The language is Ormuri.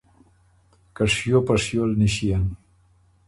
که شیو په شیو ل نِݭيېن۔